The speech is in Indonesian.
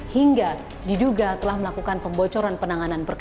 hingga diduga telah melakukan sejumlah pelanggaran etik